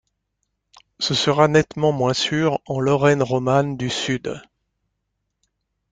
Ce sera nettement moins sûr en Lorraine romane du sud.